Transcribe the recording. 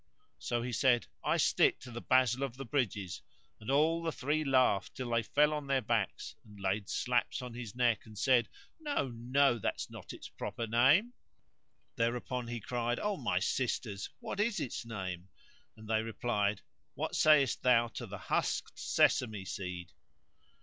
So he said, "I stick to the basil of the bridges;" and all the three laughed till they fell on their backs and laid slaps on his neck and said, "No! no! that's not its proper name." Thereupon he cried, "O my sisters, what is its name?" and they replied, "What sayest thou to the husked sesame seed?"